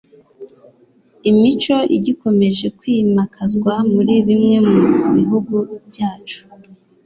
imico igikomeje kwimakazwa muri bimwe mu bihugu byacu.